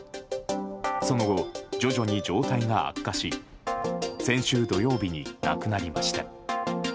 その後、徐々に状態が悪化し先週土曜日に亡くなりました。